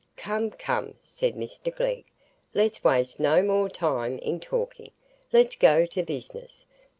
"Come, come," said Mr Glegg, "let's waste no more time in talking,—let's go to business.